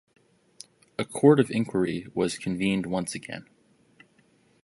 A Court of Inquiry was convened once again.